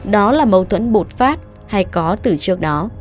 đó là mâu thuẫn bột phát hay có từ trước đó